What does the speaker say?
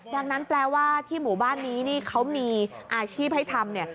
ดังนั้นแปลว่าที่หมู่บ้านนี้นี่เขามีอาชีพให้ทำเนี่ย